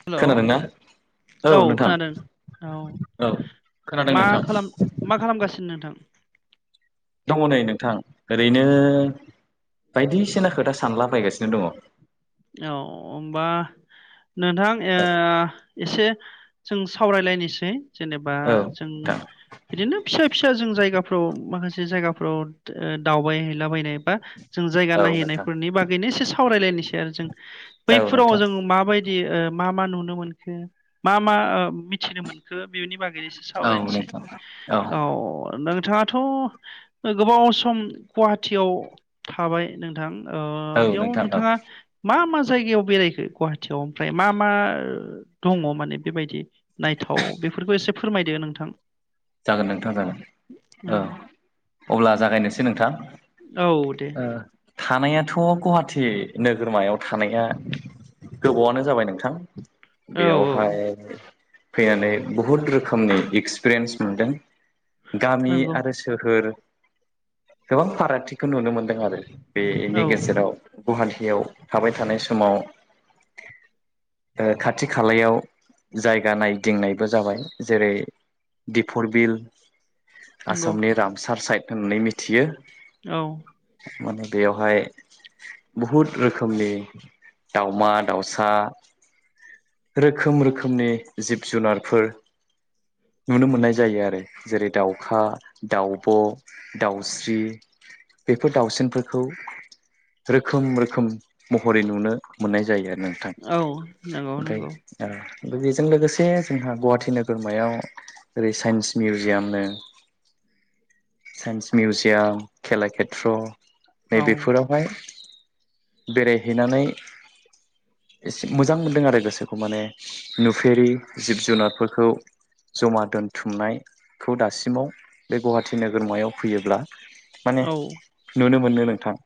हेल' खोनादोंना औ खोनादों औ औ खोनादों मा नोंथां खालाम मा खालामगासिनो नोंथां? दङ नै नोंथां ओरैनो बायदिसिना खोथा सानलाबायगासिनो दङ। औ ओमबा नोंथां ओ दङ एसे जों सावरायलायनोसै। जेनेबा औ जों नोंथां बिदिनो फिसा फिसा जों जायगाफ्राव माखासे - जायगाफ्राव ओ दावबाय हैैलाबायनाय बा जों जायगा औ नोंथां नायहैनायफोरनि बागैनो एसे- सावराय लायनोसै- सेरजों औ बैफोराव नोंथां जों माबायदि ओ मा मा नुनो मोनखो मा मा ओ मिथिनो मोनखो बेनि बागै। औ सावरायनोसै नोंथां औ नों- नोंथांआथ' गोबाव सम गुवाहाटियाव थाबाय नोंथां ओ औ बेयाव नोंथां औ नोंथाङा मा मा जायगायाव बेरायखो गुवाहाटियाव ओमफ्राय मा मा दङ माने बेबायदि नायथाव बेफोरखो एसे फोरमायदो नोंथां। जागोन नोंथां जागोन औ अब्ला जागायनोसै नोंथां औ दे ओ। थानायाथ' गुवाहाटि नोगोरमायाव थानाया गोबावानो जाबाय नोंथां। औ औ बेआवहाय फैनानै बुहुत रोखोमनि एक्सपिरियेन्स मोनदों। गामि नंगौ आरो सोहोर गोबां फारागथिखौ नुनो मोनदों आरो बेनि औ गेजेराव गुवाहाटियाव थाबाय थानाय समाव ओ खाथि खालायाव जायगा नायदिंनायबो जाबाय जेरै दिफर बिल नंगौ आसामनि रामसार साइड होननानै मिथियो। औ। माने बेयावहाय बहुद रोखोमनि दाउमा दाउसा रोखोम रोखोमनि जिब जुनारफोर नुनो मोननाय जायो आरो जेरै दाउखा दाउब' दाउस्रि बेफोर दाउसिनफोरखौ रोखोम रोखोम महरै नुनो मोननाय जायो आरो नोंथां औ नंगौ ओमफाय नंगौ ओ बेजों लोगोसे जोंहा गुवाहाटि नोगोरमायाव ओरै साइन्स मिउजियामनो साइन्स मिउजियाम खेलाखेत्र नै औ बेफोरावहाय बेरायहैनानै एसे मोजां मोनदों आरो गोसोखौ माने नुफेरि जिब जुनारफोरखौ जमा दोनथुमनायखौ दासिमाव बे गुवाहाटि नोगोरमायाव फैयोब्ला माने औ नुनो मोनो नोंथां।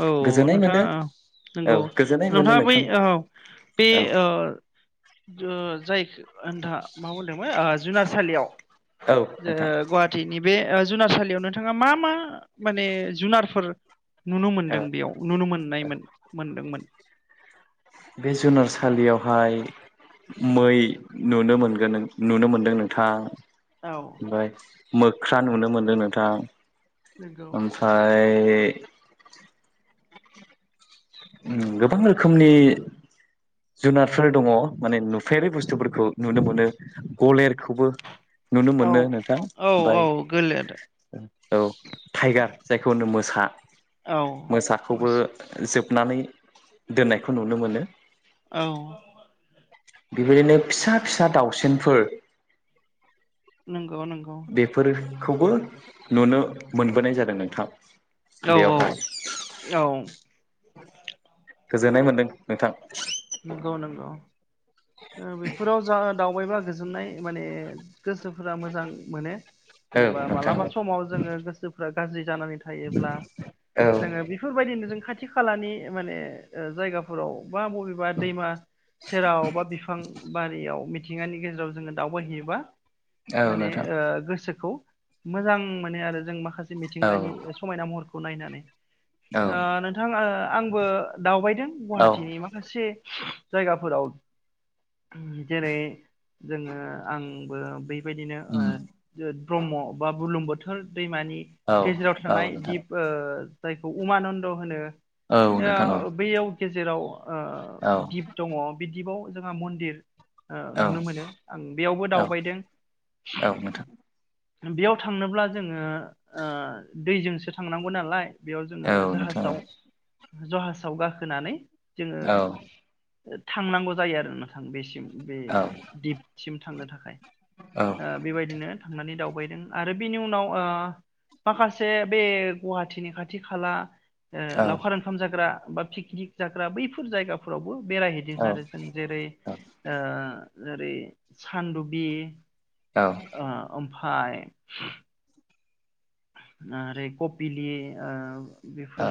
औ गोजोननाय नोंथाङा मोनो ओ औ नंगौ गोजोननाय मोनो नोंथाङा बै नोंथां ओ बे औ ओ ओ जाय नोंथाङा मा होनदोंमोन ओ जुनारसालियाव औ नोंथां गुवाहाटिनि बे जुनारसालियाव नोंथाङा मा मा माने जुनारफोर नुनो औ मोनदों बेयाव नुनो मोननायमोन मोनदोंमोन? बे जुनारसालियावहाय मै नुनो मोनगोन नुनो मोनदों नोंथां औ ओमफ्राय मोख्रा नुनो मोनदों नोंथां नोंगौ ओमफ्राय बे गोबां रोखोमनि जुनारफोर दङ माने नुफेरै बुस्थुफोरखौ नुनो मोनो गलेर खौबो नुनो औ मोनो नोंथां औ ओमफ्राय औ गोलेर औ टाइगार जायखौ होनो मोसा औ मोसाखौबो मास जोब नानै दोननायखौ नुनो मोनो। औ। बेबायदिनो फिसा फिसा दाउसिनफोर नोंगौ। गोबां नोंगौ खौबो नुनो मोनबोनाय जादों नोंथां बेयावहाय औ औ औ [inaudible] गोजोननाय मोनदों नोंथां नंगौ नंगौ ओ बेफोराव जा दावबायबा गोजोननाय माने गोसोफोरा मोजां मोनो औ जेनेबा नोंथां मालाबा समाव जोङो गोसोफ्रा गाजि जानानै थायोब्ला औ जोङो बेफोरबायदिनो [inaudible] खाथि खालानि माने जायगाफोराव बा बबेबा दैमा सेराव बा बिफां बारियाव मिथिंगानि गेजेराव जोङो दावबायहैयोबा औ माने नोंथां ओ गोसोखौ मोजां मोनो आरो जों माखासे औ मिथिंगानि समायना महर खौ नायनानै औ नोंथां आंबो दावबायदों औ गुवाहाटिनि माखासे जायगाफोराव जेरै जोङो आंबो बेबायदिनो उम ब्रह्म बा बुलुं बोथोर दैमानि औ गेजेराव औ थानाय नोंथां दिप ओ जायखौ उमानन्द होनो औ दा नोंथां औ बेै गेजेराव औ दिप दङ बे दिपआव [unintelligible] मन्दिर औ नुनो मोनो आं बेयावबो औ दावबायदों औ नोंथां बेयाव थांनोब्ला जोङो दैजोंसो थांनांगौ नालाय बेयाव जोङो औ नोंथां जाहाजाव जहाजाव गाखोनानै जोङो औ नोंथां औ थांनांगौ जायो आरो नोंथां बेसिम बे दिपसिम थांनो थाखाय ओ बेबायदिनो थांनानै दावबायदों आरो बिनि उनाव ओ माखासे बे गुवाहाटिनि खाथि खाला लावखार ओंखाम जाग्रा बा पिकनिक जाग्रा बैफोर जायगाफोरावबो औ नोंथां औ बेरायहैदों आरो जों जेरै औ जेरै सान्दबि ओ ओम हाय नारेकपिलिये ओ बेफोर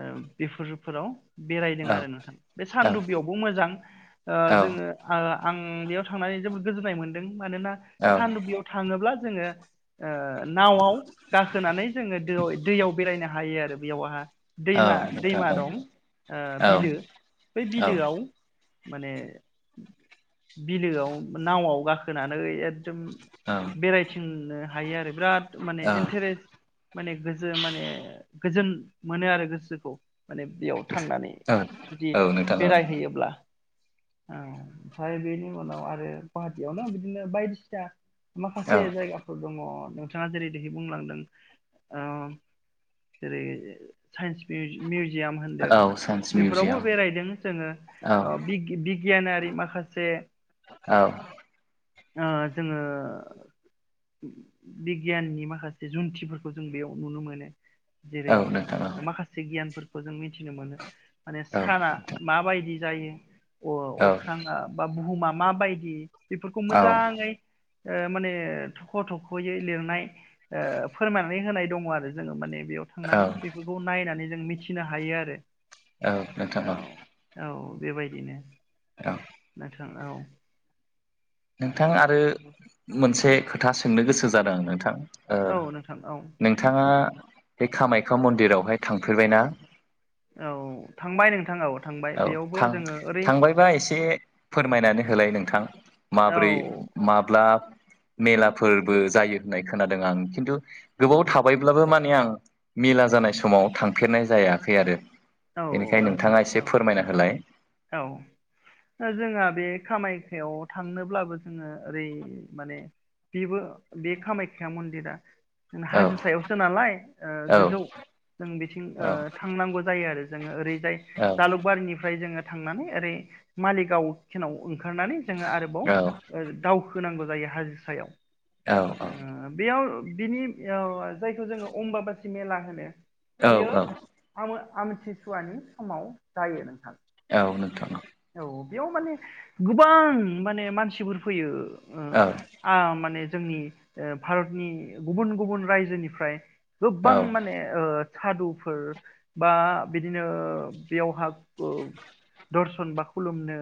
ओ बेफोरफोराव बेरायदों आरो नोंथां बे सानदुबियावबो मोजां ओ जोङो आं बेयाव थांनानै जोबोद गोजोननाय मोन्दों। मानोना सानदबियाव थाङोब्ला जोङो ओ नावआव गाखोनानै दा बेयावहा दैमा दैमा दं ओ बिलो बै बिलोआव माने बिलोआव नावआव गाखोनानै बेरायथिंनो हायो आरो बिराद माने माने गोजोन माने गोजोन मोनो आरो गोसोखौ। माने बेयाव थांनानै जुदि बेरायहैयोब्ला। ओ ओमफ्राय बेनि उनाव आरो गुवाहाटियावनो बिदिनो बायदिसिना माखासे जायगाफोर दङ। नोंथांआ जेरै बुंलांदों ओ जेरै साइन्स मिउजियाम होनदों साइन्स बेफोरावबो मिउजियाम बेरायदों जोङो औ बिग बि बिगियानारि माखासे औ। ओ जोङो बिगियाननि माखासे जुन्थिफोरखौ जों बेयाव नुनो मोनो। जेरै औ नोंथां औ माखासे गियान खौ जों मिथिनो मोनो माने औ साना मा बायदि जायो औ अ-अख्रां बा बुहुमा मा बायदि? बेफोरफोरखौ औ मोजाङै माने थख' थख'यै लिरनाय फोरमायनानै होनाय दङ आरो जोङो माने। बेयाव औ थांनानै बेफोरखौ नायनानै। जों मिथिनो हायो आरो ओं नोंथां ओं। बे बायदिनो। औ। जों औ। नोंथां आरो मोनसे खोथा सोंनो गोसो जादों नोंथां। ओ औ नोंथां औ नोंथाङा। बे कामाख्या मन्दिरावहाय थांफेरबायना। औ थांबाय नोंथां औ थांबाय औ बेयावबो थां जोङो ओरै थांबायबा एसे फोरमायनानै होलाय नों। थां। माब्रै औ माब्लाब। मेलाब। फोरबो जायो होननाय। खोनादों आं खिन्थु गोबाव थाबायब्लाबो माने आं मेला जानाय समाव थांफेरनाय जायाखै आरो। औ बेनिखायनो नोंथां नोंथाङा एसे औ फोरमायना होलाय औ ओ जोंङा बे खामाय। हेव थांनोब्लाबो जोङो ओरै माने जेबो। बे कामायख्या मन्दिरा। जों औ हाजो सायावसो नालाय ओ औ गोजौ जों बिथिं ओ औ थांनांगौ जायो आरो। जोंङो ओरैजाय औ जालुकबारिनिफ्राय। ओइ जोंङो थांनानै ओरै मालिगाव खेनाव ओ। खारनानै जोंङो आरोबाव ओ दावउ। खोनांगौ जायो हाजोसायाव। औ औ। बिनिम इयाव जायखौ जोंङो अमबा बासि मेला होनो। औ बिया औ आमो। आमोन जिब। फुवानि समाव जायो नोंथां। औ नोंथां औ। औ बियाव माने गोबां माने मानसिबोर फैयो। ओ औ आ माने। जोंनि ओ भारतनि गुबुन गुबुन रायजोनिफ्राय। गोबां औ माने ओ। सादुफोर बा बिदिनो बेयावहा ओ दरस। होनबा खुलुमनो।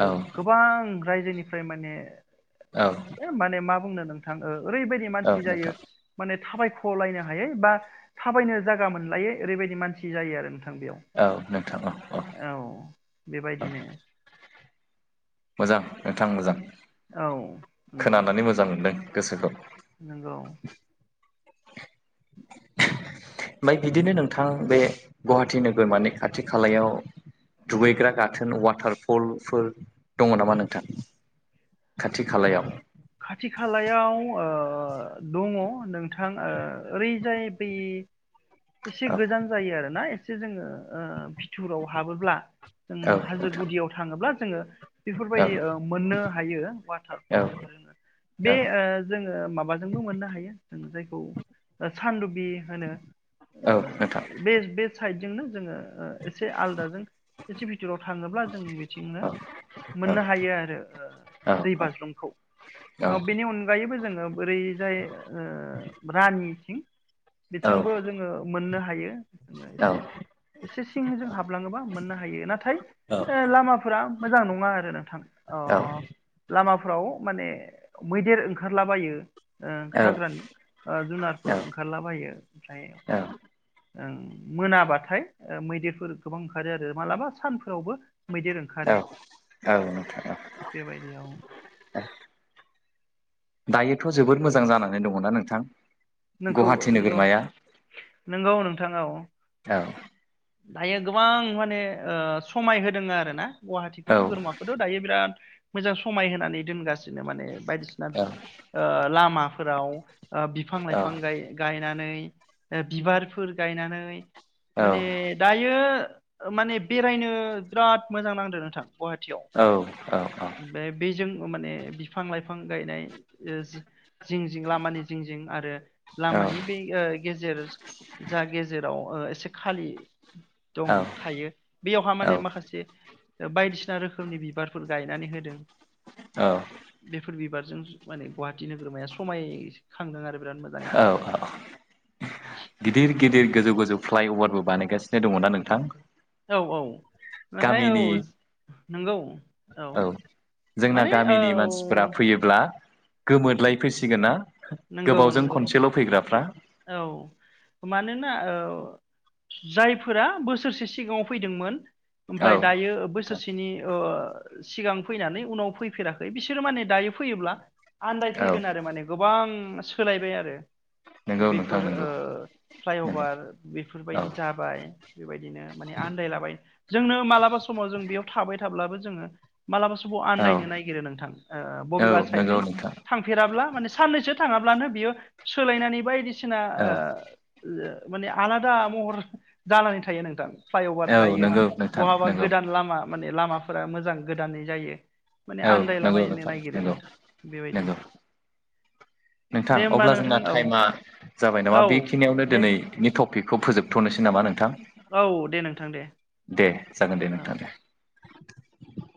औ गोबां रायजोनिफ्राय माने औ माने मा बुंनो नोंथां ओरैबायदि औ मानसि जायो नोंथां माने थाबायख'लायनो हायै बा थाबायनो जायागा मोनलायो ओरैबायदि मानसि जायो आरो बेयाव औ नोंथां औ औ बेबायदिनो मोजां नोंथां मोजां औ खोनानानै मोजां मोनदों गोसोखौ हे लौ ओमफ्राय बिदिनो नोंथां बे गुवाहाटि नोगोरमानि खाथि खालायाव दुगैग्रा गाथोन वाटारफलफोर दङ नामा नोंथां खाथि खालायाव खाथि खालायाव ओ दङ नोंथां ओरैजाय बै एसे औ गोजान जायो आरो ना स जोङो बिथिथुराव हाबोब्ला जों औ हाजो नोंथां गुदियाव थाङोब्ला जोङो औ बेफोरबायदि मोननो हायो औ बे जोङो माबाजोंबो मोननो हायो जायखौ सानदुबि ओनो‌ औ नोंथां [unintelligible] एसे आलदाजों [unintelligible] भाव थाङोब्ला जों बिथिंनो औ औ मोननो हायो आरो औ दै औ बाज्रुमखौ बेनि अनगायैबो जों बोरैजाय रानिथिं बिथिंबो जोङो मोननो हायोो एसे एसे सिं जों हाबलाङोबा मोननो हायो नाथाय लामाफोरा मोजां नङा आरो नोंथां औ अ लामाफ्राव माने मैदेर ओंखारलाबायो हाग्रानि जुनारफोर ओंखारलाबायो ओमफ्राय मोनाबाथाय मैदेरफोर गोबां ओंखारो आरो मालाबा सानफोरावबो मैदेर ओंखारो औ बेबायदियाव औ। दायोथ' जोबोद मोजां जानानै दङना नोंथां। नोंखौ गुवाहाटि नोंगौ नोगोरमाया नोंगौ नोंथां औ औ दायो गोबां माने ओ समाय होदों आरो ना औ गुवाहाटिखौनोगोरमाखथ दायो बिराद मोजां समाय होनानै दोनगासिनो माने बायदिसिना औ ओ लामा फोराव ओ बिफां लाइफां [unintelligible] औ गायनानै दा बिबारफोर गायनानै औ माने दायो माने बेरायनो बिराद मोजां नांदो नोंथां गुवाहाटियाव औ बेजों माने बिफां लाइफां गायनाय जिं जिं लामानि जिं जिं आरो औ लामानि बे ओ गेजेर जा गेजेराव ओ एसे खालि दं थायो बेयावहा माने माखासे बायदिसिना रोखोमनि बिबारफोर गायनानै होदों औ बेफोर बिबार जों माने गुवाहाटि नोगोरमाया समाय खांदों आरो बिराद मोजाङै औ औ गिदिर गिदिर गोजौ गोजौ फ्लाइअभारबो बानायगासिनो दङ ना नोंथां औ औ। नाथाय गामिनि औ नंगौ औ जोंना माने औ गामिनि मानसिफोरा फैयोब्ला [unintelligible] गोमोरलायफैसिगोन ना नंगौ गोबावजों नंगौ खनसेल फैग्राफ्रा औ मानोना ओ जायफोरा बोसोरसे सिगाङाव फैदोंमोन औ ओमफ्राय दायो बोसोरसेनि ओ सिगां फैनानै उनाव फैफेराखै बिसोरो माने दायो फैयोब्ला औ आन्दायफैगोन आरो माने गोबां सोलायबाय आरो नंगौ नोंथां बेफोर नंगौ ओ नंगौ फ्लाइअभार औ बेफोरबायदि जाबाय बेबायदिनो माने आन्दायलाबाय जोंनो मालाबा समाव जों बेयाव थाबाय थाब्लाबो [unintelligible] मालाबा समाव औ आन्दायनो नागिरो नोंथां ओ औ बबेबा नंगौ साइडजों नोंथां थांफेराब्ला माने साननैसो थाङाब्लानो बियो सोलायनानै बायदि सिना औ ओ -ओ माने आलादा महर जानानै थायो नोंथां। फ्लाइअभार औ जायो नंगौ नोंथां बहाबा नंगौ गोदान लामा माने लामाफोरा मोजां गोदानै जायो। माने औ नंगौ आन्दायलाबायनो नोंथां नागिरो नंगौ- नोंथां बेबायदि नंगौ नोंथां दे होमबा अब्ला जोंना नोंथां औ टाइमा जाबाय नामा औ बेखिनियावनो दे दिनै टपिकखौ फोजोबथ'नोसै नामा नोंथां? औ दे नोंथां दे दे जागोन दे औ नोंथां दे।